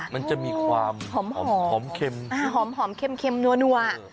มันจะมีความหอมเข็มนัว